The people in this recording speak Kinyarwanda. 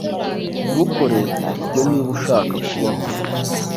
Ntukore ibyo niba ushaka kubaho!